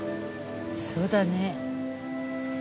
そうだね。